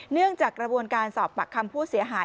จากกระบวนการสอบปากคำผู้เสียหาย